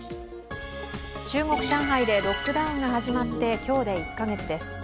中国・上海でロックダウンが始まって今日で１カ月です。